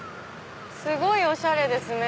すごいおしゃれですね。